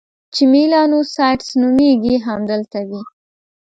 چې میلانوسایټس نومیږي، همدلته وي.